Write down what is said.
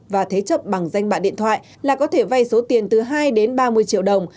và thế chấp bằng danh bạ điện thoại là có thể vay số tiền từ hai đến ba mươi triệu đồng